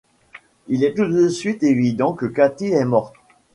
Il est tout de suite évident que Kathy est morte.